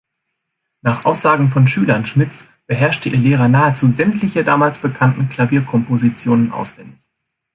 Nach Aussagen von Schülern Schmidts beherrschte ihr Lehrer nahezu sämtliche damals bekannten Klavierkompositionen auswendig.